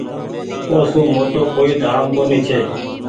او سون موٽو ڪوئي ڌآم ڪونيٚ ڇي۔